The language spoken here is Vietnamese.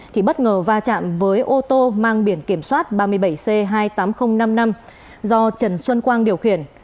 thì bất ngờ va chạm với ô tô mang biển kiểm soát ba mươi bảy c hai mươi tám nghìn năm mươi năm do trần xuân quang điều khiển